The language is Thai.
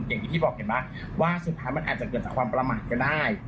อย่างที่พี่บอกเห็นป่ะว่าสุดท้ายมันอาจจะเกิดจากความประมาทก็ได้